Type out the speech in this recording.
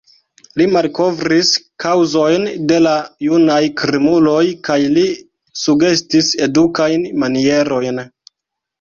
Li malkovris kaŭzojn de la junaj krimuloj kaj li sugestis edukajn manierojn.